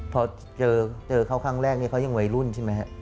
พอเจอเขาครั้งแรกนี้เขายังวัยรุ่นใช่ไหมฮะ